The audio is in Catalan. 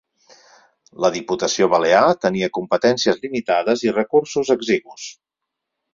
La Diputació Balear tenia competències limitades i recursos exigus.